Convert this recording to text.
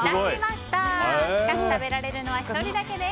しかし、食べられるのは１人だけです。